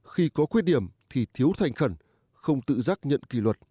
khi có khuyết điểm thì thiếu thành khẩn không tự giác nhận kỳ luật